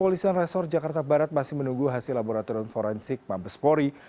polisian resor jakarta barat masih menunggu hasil laboratorium forensik mabespori